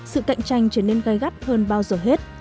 sự cạnh tranh trở nên gai gắt hơn bao giờ hết